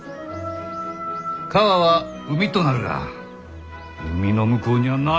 川は海となるが海の向こうには何があるか？